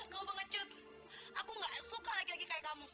kamu pengecut aku nggak suka laki laki kayak kamu